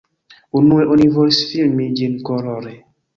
Unue oni volis filmi ĝin kolore.